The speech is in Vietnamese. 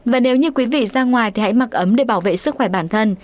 và nếu như quý vị ra ngoài thì hãy mặc ấm để bảo vệ sức khỏe bản thân